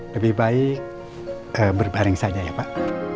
lebih baik berbaring saja ya pak